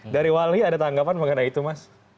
dari wali ada tanggapan mengenai itu mas